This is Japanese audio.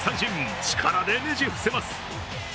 力でねじ伏せます。